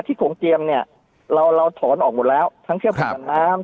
โขงเจียมเนี่ยเราเราถอนออกหมดแล้วทั้งเครื่องผลักดันน้ำ